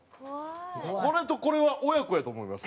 これとこれは親子やと思います。